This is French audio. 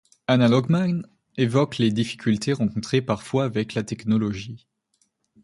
Analog Man évoque les difficultés rencontrées parfois avec la technologie.